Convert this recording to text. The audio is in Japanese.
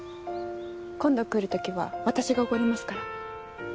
今度来る時は私がおごりますから。